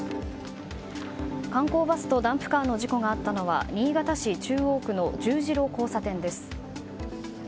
観光バスとダンプカーの事故があったのは新潟市中央区の十字路交差点です。